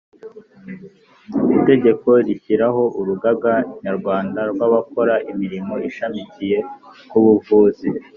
Itegeko rishyiraho Urugaga Nyarwanda rw abakora imirimo ishamikiye ku buvuzi